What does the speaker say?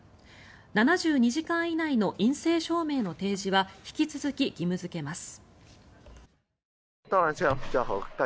７２時間以内の陰性証明の提示は引き続き義務付けます。